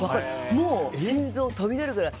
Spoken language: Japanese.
もう心臓飛び出るぐらい。